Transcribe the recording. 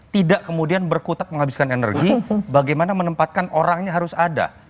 tidak kemudian berkutak menghabiskan energi bagaimana menempatkan orangnya harus ada